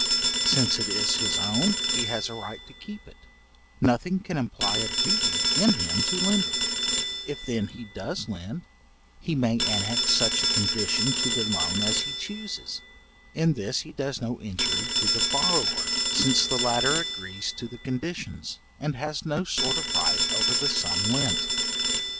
Since it is his own, he has a right to keep it, nothing can imply a duty in him to lend it; if then he does lend, he may annex such a condition to the loan as he chuses, in this he does no injury to the borrower, since the latter agrees to the conditions, and has no sort of right over the sum lent.